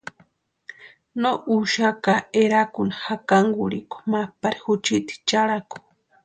No úxaka erakuni jakankurhikwa ma pari juchiti charhaku.